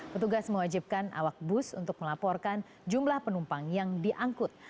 petugas mewajibkan awak bus untuk melaporkan jumlah penumpang yang diangkut